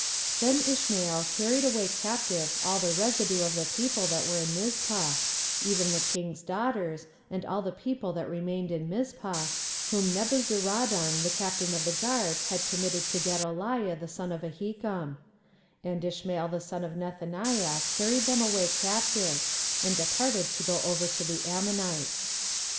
24:041:010 Then Ishmael carried away captive all the residue of the people that were in Mizpah, even the king's daughters, and all the people that remained in Mizpah, whom Nebuzaradan the captain of the guard had committed to Gedaliah the son of Ahikam: and Ishmael the son of Nethaniah carried them away captive, and departed to go over to the Ammonites.